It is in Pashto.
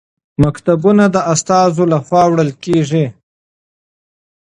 مکتوبونه د استازو لخوا وړل کیږي.